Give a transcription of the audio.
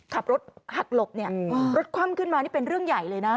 ขับรถหักหลบเนี่ยรถคว่ำขึ้นมานี่เป็นเรื่องใหญ่เลยนะ